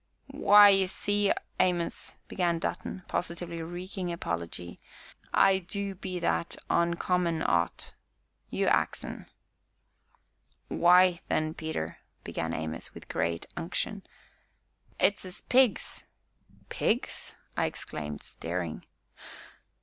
"W'y, ye see, Amos," began Dutton, positively reeking apology, "I du be that on common 'ot you ax un." "W'y, then, Peter," began Amos, with great unction, "it's 'is pigs!" "Pigs?" I exclaimed, staring.